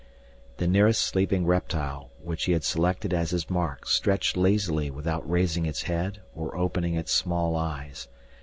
The nearest sleeping reptile which he had selected as his mark stretched lazily without raising its head or opening its small eyes.